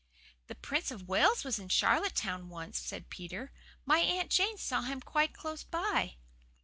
"The Prince of Wales was in Charlottetown once," said Peter. "My Aunt Jane saw him quite close by."